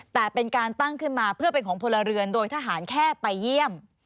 แต่เป็นการตั้งขึ้นมาเพื่อเป็นของพลเรือนโดยทหารแค่ไปเยี่ยม